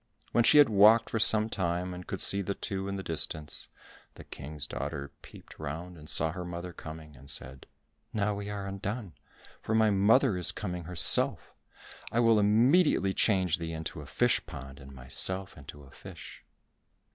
When she had walked for some time, and could see the two in the distance, the King's daughter peeped round and saw her mother coming, and said, "Now we are undone, for my mother is coming herself: I will immediately change thee into a fish pond and myself into a fish.